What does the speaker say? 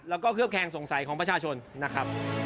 แล้วก็เคลือบแคงสงสัยของประชาชนนะครับ